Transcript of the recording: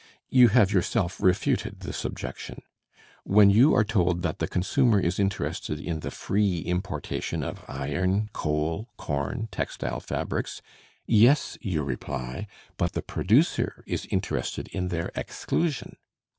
You have yourself refuted this objection. When you are told that the consumer is interested in the free importation of iron, coal, corn, textile fabrics yes, you reply, but the producer is interested in their exclusion.